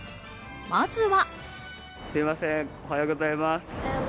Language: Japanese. まずは。